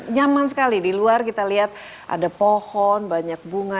nyaman sekali di luar kita lihat ada pohon banyak bunga